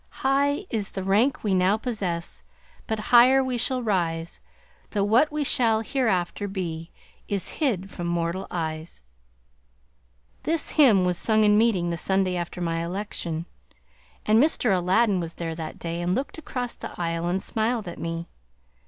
"High is the rank we now possess, But higher we shall rise; Though what we shall hereafter be Is hid from mortal eyes." This hymn was sung in meeting the Sunday after my election, and Mr. Aladdin was there that day and looked across the aisle and smiled at me.